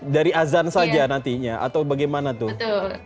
dari azan saja nantinya atau bagaimana tuh